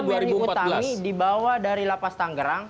setelah mary utami dibawa dari lapas tanggerang